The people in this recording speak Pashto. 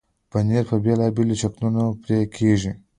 پنېر په بېلابېلو شکلونو پرې کېږي.